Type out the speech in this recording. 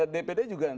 dpd juga kan